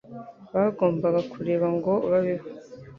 Bagombaga kureba ngo babeho.